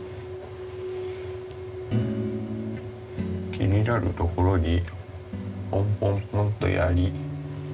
気になるところにポンポンポンとやり。